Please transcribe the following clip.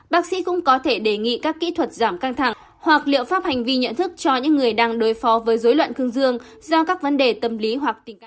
bác sĩ cũng có thể đề nghị các kỹ thuật giảm căng thẳng hoặc liệu pháp hành vi nhận thức cho những người đang đối phó với dối loạn cương dương do các vấn đề tâm lý hoặc tình cảm